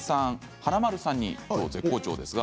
華丸さんにきょう絶好調ですか？